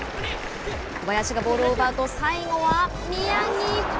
小林がボールを奪うと最後は宮城。